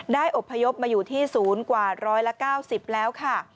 ได้อบพยพมาอยู่ที่ศูนย์กว่าร้อยละ๙๐แล้วค่ะ